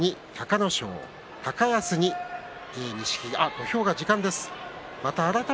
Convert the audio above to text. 土俵が時間です。